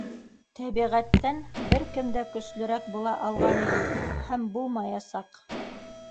Тәбиғәттән бер кем дә көслөрәк була алғаны юҡ һәм булмаясаҡ!